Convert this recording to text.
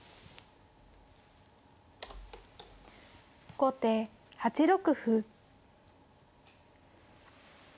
後手８六歩。